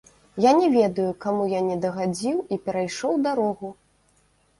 Я не ведаю, каму я не дагадзіў і перайшоў дарогу.